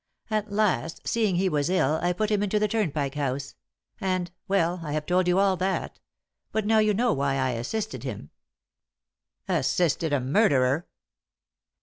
At last, seeing he was ill, I put him into the Turnpike House, and well, I have told you all that. But now you know why I assisted him." "Assisted a murderer?"